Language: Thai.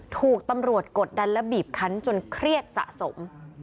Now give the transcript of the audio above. ถูกตำรวจกดดันและบีบคันจนเครียดสะสม